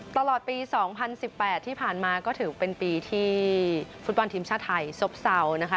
ตลอดปี๒๐๑๘ที่ผ่านมาก็ถือเป็นปีที่ฟุตบอลทีมชาติไทยซบเศร้านะคะ